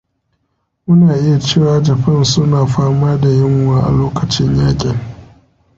Muna iya cewa Japan suna fama da yinwa a lokacin yakin.